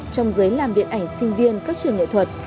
trong giới làm điện ảnh sinh viên các trường nghệ thuật